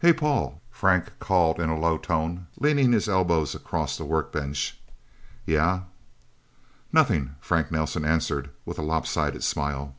"Hey, Paul," Frank called in a low tone, leaning his elbows across a workbench. "Yeah?" "Nothing," Frank Nelsen answered with a lopsided smile.